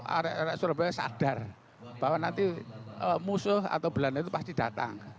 anak anak surabaya sadar bahwa nanti musuh atau belanda itu pasti datang